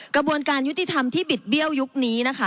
กระบวนการยุติธรรมที่บิดเบี้ยวยุคนี้นะคะ